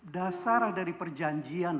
dasar dari perjanjian